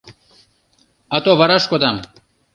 Ато вараш кодам.